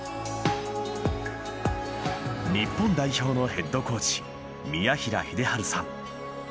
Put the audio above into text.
日本代表のヘッドコーチ宮平秀治さん。